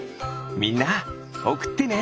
みんなおくってね！